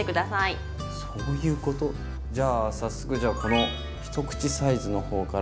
じゃあ早速じゃこの一口サイズの方から。